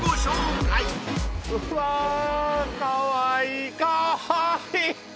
かわいい！